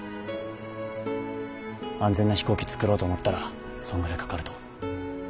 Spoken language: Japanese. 安全な飛行機作ろうと思ったらそんぐらいかかると。